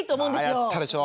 あやったでしょ？